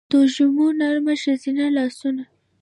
دوږمو نرم ښځینه لا سونه